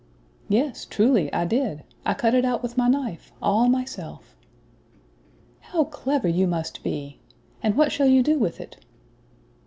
"Yes, truly, I did; I cut it out with my knife, all myself." "How clever you must be. And what shall you do with it?"